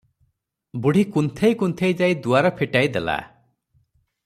ବୁଢ଼ୀ କୁନ୍ଥେଇ କୁନ୍ଥେଇ ଯାଇ ଦୁଆର ଫିଟାଇ ଦେଲା ।